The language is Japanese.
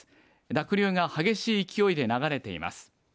濁流が激しい勢いで流れています。